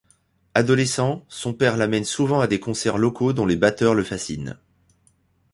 Adolescent, son père l'amène souvent à des concerts locaux dont les batteurs le fascinent.